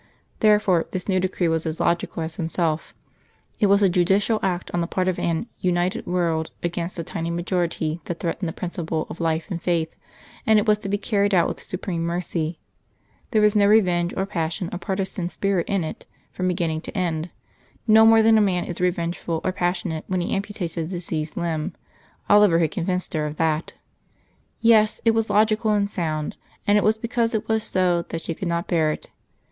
Therefore, this new decree was as logical as Himself it was a judicial act on the part of an united world against a tiny majority that threatened the principle of life and faith: and it was to be carried out with supreme mercy; there was no revenge or passion or partisan spirit in it from beginning to end; no more than a man is revengeful or passionate when he amputates a diseased limb Oliver had convinced her of that. Yes, it was logical and sound. And it was because it was so that she could not bear it....